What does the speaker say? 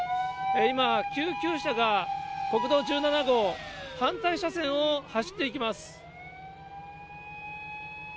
今、救急車が国道１７号、反対車線を走っていきます。